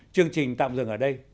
chương trình tạm dừng ở đây